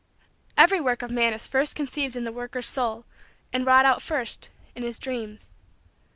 Every work of man is first conceived in the worker's soul and wrought out first in his dreams.